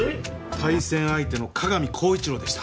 対戦相手の加賀見光一郎でした。